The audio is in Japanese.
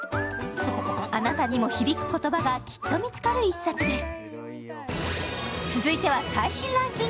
あなたにも響く言葉がきっと見つかる１冊です。